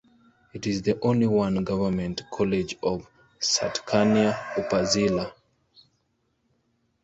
It is the only one government college of Satkania Upazila.